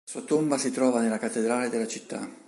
La sua tomba si trova nella cattedrale della città.